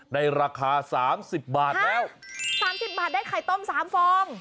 ในราคา๓๐บาทแล้ว๓๐บาทได้ไข่ต้ม๓ฟอง